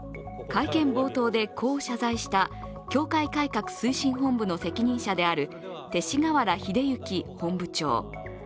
会見冒頭で、こう謝罪した教会改革推進本部の責任者である責任者である勅使河原秀行本部長。